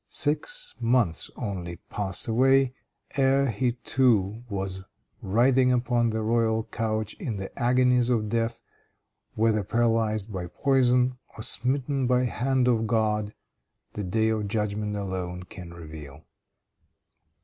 Six months only passed away, ere he too was writhing upon the royal couch in the agonies of death, whether paralyzed by poison or smitten by the hand of God, the day of judgment alone can reveal.